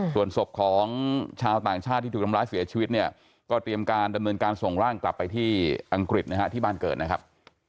ส่วนศพของชาวต่างชาติที่ถูกทำร้ายเสียชีวิตเนี่ยก็เตรียมการดำเนินการส่งร่างกลับไปที่อังกฤษนะฮะที่บ้านเกิดนะครับ